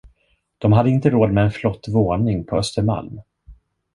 De hade inte råd med en flott våning på Östermalm.